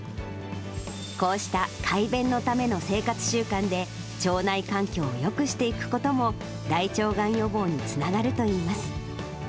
こうした快便のための生活習慣で腸内環境をよくしていくことも、大腸がん予防につながるといいます。